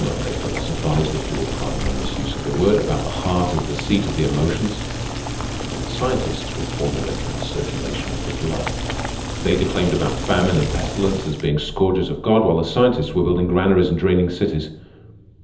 They philosophized, if you will pardon my misuse of the word, about the heart as the seat of the emotions, while the scientists were formulating the circulation of the blood. They declaimed about famine and pestilence as being scourges of God, while the scientists were building granaries and draining cities.